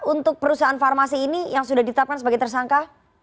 untuk perusahaan farmasi ini yang sudah ditetapkan sebagai tersangka